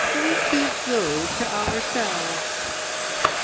We keep those to ourselves."